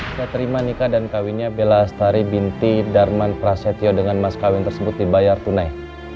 saya terima nikah dan kawinnya bellastari binti darman prasetyo dengan mas kawin tersebut dibayar tunai